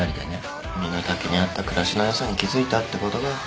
身の丈に合った暮らしの良さに気付いたってことか。